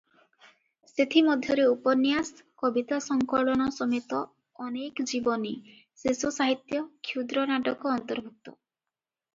ସେଥିମଧ୍ୟରେ ଉପନ୍ୟାସ, କବିତା ସଂକଳନ ସମେତ ଅନେକ ଜୀବନୀ, ଶିଶୁ ସାହିତ୍ୟ, କ୍ଷୁଦ୍ର ନାଟକ ଅନ୍ତର୍ଭୁକ୍ତ ।